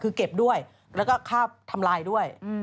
คือเก็บด้วยแล้วก็ค่าทำลายด้วย